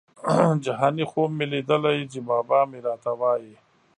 جهاني خوب مي لیدلی چي بابا مي راته وايی